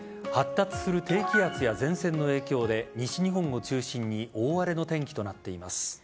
発達する低気圧や前線の影響で西日本を中心に大荒れの天気となっています。